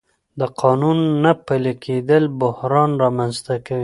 د قانون نه پلي کېدل بحران رامنځته کوي